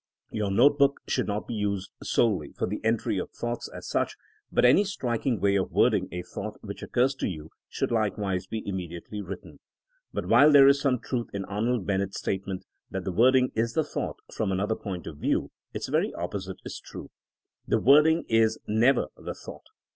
Your notebook should not be used solely for the entry of ' thoughts '^ as such, but any striking way of wording a thought which occurs to you should likewise be immedi ately written. But while there is some truth in Arnold Ben nett ^s statement that the wording is the thought, from another point of view its very opposite is true. The wording is never the thought.